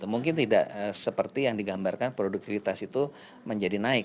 mungkin tidak seperti yang digambarkan produktivitas itu menjadi naik